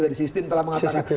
dari sistem telah mengatakan